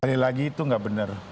tadi lagi itu nggak bener